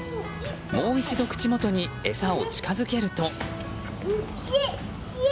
もう一度口元に餌を近づけると。